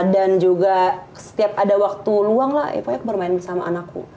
dan juga setiap ada waktu luang lah ya pokoknya aku bermain sama anakku